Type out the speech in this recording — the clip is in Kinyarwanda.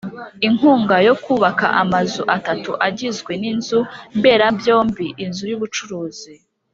inkunga yo kubaka amazu atatu agizwe n inzu mberabyombi inzu y ubucuruzi